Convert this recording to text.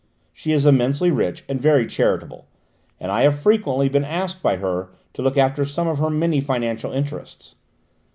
She is immensely rich, and very charitable, and I have frequently been asked by her to look after some of her many financial interests.